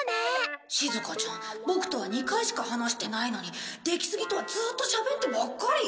しずかちゃんボクとは２回しか話してないのに出木杉とはずーっとしゃべってばっかり